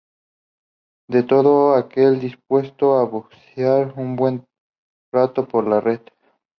de todo aquel dispuesto a bucear un buen rato por la red